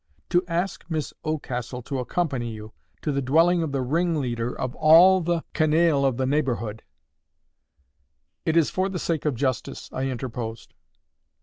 "To ask Miss Oldcastle to accompany you to the dwelling of the ringleader of all the canaille of the neighbourhood!" "It is for the sake of justice," I interposed.